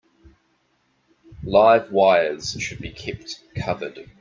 Live wires should be kept covered.